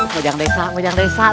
mojang desa mojang desa